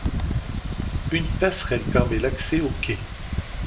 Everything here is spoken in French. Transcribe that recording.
Une passerelle permet l'accès aux quais.